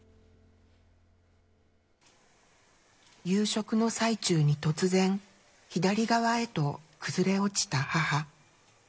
夕食の最中に突然左側へと崩れ落ちた母。